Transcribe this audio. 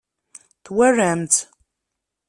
Twalam-tt?